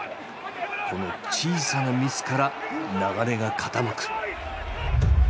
この小さなミスから流れが傾く。